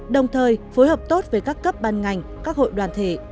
đồng thời phối hợp tốt với các cấp ban ngành các hội đoàn thể